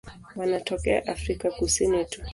Wanatokea Afrika Kusini tu.